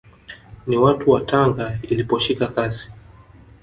Na watu wa Tanga iliposhika kasi